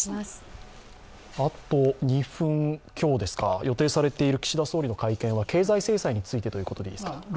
あと２分強ですが予定されている岸田総理の会見は経済制裁についてということですか？